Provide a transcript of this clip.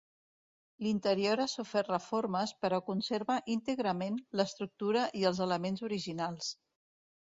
L'interior ha sofert reformes però conserva íntegrament l'estructura i els elements originals.